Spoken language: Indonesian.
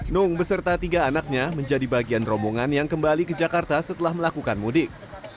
nung beserta tiga anaknya menjadi bagian rombongan yang kembali ke jakarta setelah melakukan mudik